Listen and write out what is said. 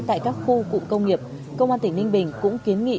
tại các khu cụm công nghiệp công an tỉnh ninh bình cũng kiến nghị